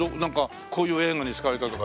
こういう映画に使われたとか。